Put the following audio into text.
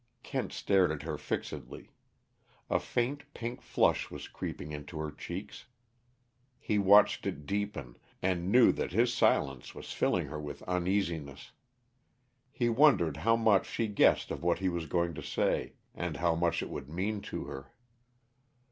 Kent stared at her fixedly. A faint, pink flush was creeping into her cheeks. He watched it deepen, and knew that his silence was filling her with uneasiness. He wondered how much she guessed of what he was going to say, and how much it would mean to her.